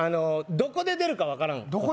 どこで出るか分からん？